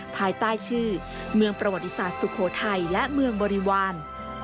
ภายใต้ชื่อเมืองประวัติศาสตร์สุโขทัยและเมืองบริวาร